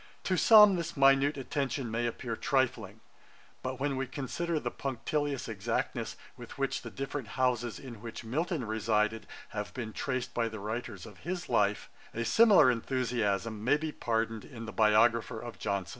To some, this minute attention may appear trifling; but when we consider the punctilious exactness with which the different houses in which Milton resided have been traced by the writers of his life, a similar enthusiasm may be pardoned in the biographer of Johnson.